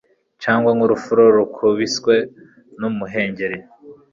cyangwa nk'urufuro rukubiswe n'umuhengeri